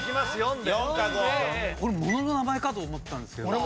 俺物の名前かと思ったんですけど。